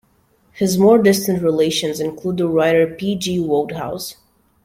His more distant relations include the writer P. G. Wodehouse.